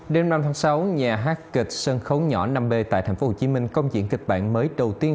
đêm năm tháng sáu nhà hát kịch sân khấu nhỏ năm b tại tp hcm công diễn kịch bản mới đầu tiên